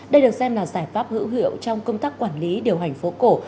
đây được xem là giải pháp hữu hiệu trong công tác quản lý điều hành phố cổ